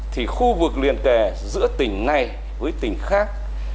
thì khu vực liền kề giữa tỉnh này với tỉnh khác